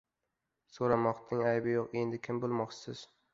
So‘ramoqdan ayb yo‘q, endi kim bo‘lmoqchisiz?